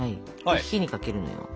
火にかけるのよ。